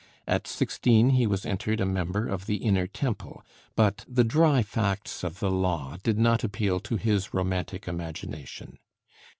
At sixteen he was entered a member of the Inner Temple, but the dry facts of the law did not appeal to his romantic imagination.